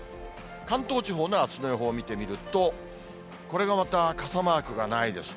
関東地方のあすの予報を見てみると、これがまた傘マークがないです。